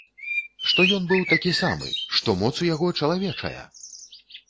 Што ён быў такі самы, што моц у яго чалавечая!